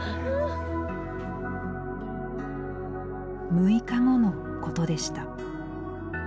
６日後のことでした。